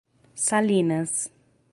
Salinas